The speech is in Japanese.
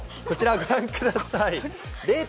こちらご覧ください。